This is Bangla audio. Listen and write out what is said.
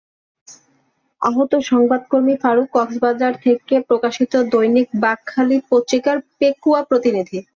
আহত সংবাদকর্মী ফারুক কক্সবাজার থেকে প্রকাশিত দৈনিক বাঁকখালী পত্রিকার পেকুয়া প্রতিনিধি।